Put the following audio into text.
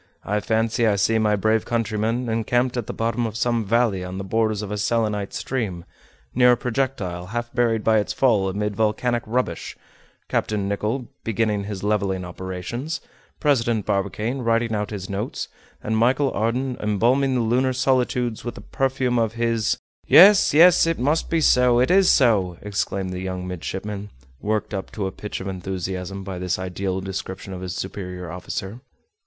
I fancy I see my brave countrymen encamped at the bottom of some valley, on the borders of a Selenite stream, near a projectile half buried by its fall amid volcanic rubbish, Captain Nicholl beginning his leveling operations, President Barbicane writing out his notes, and Michel Ardan embalming the lunar solitudes with the perfume of his—" "Yes! it must be so, it is so!" exclaimed the young midshipman, worked up to a pitch of enthusiasm by this ideal description of his superior officer.